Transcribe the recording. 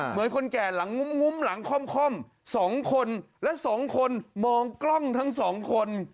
เหมือนคนแก่หลังงุ้มหลังค่อม๒คนและสองคนมองกล้องทั้งสองคน